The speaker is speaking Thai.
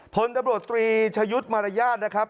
ผลตำรวจตรีชยุทร์มรญญาณนะครับ